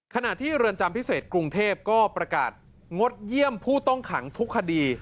ขณะที่เรือนจำพิเศษกรุงเทพก็ประกาศงดเยี่ยมผู้ต้องขังทุกคดี